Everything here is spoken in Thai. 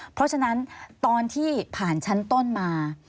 เพราะฉะนั้นตอนที่ผ่านชั้นต้นมา